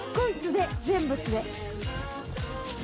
全部素手。